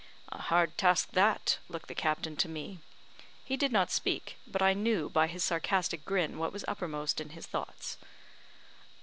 "A hard task, that," looked the captain to me. He did not speak, but I knew by his sarcastic grin what was uppermost in his thoughts.